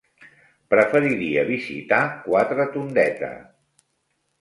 Preferiria visitar Quatretondeta.